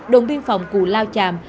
đồn biên phòng cụ lao chàm